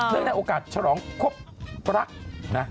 โดยได้โอกาสฉลองครบรัก